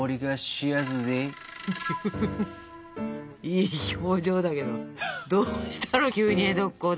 いい表情だけどどうしたの急に江戸っ子で。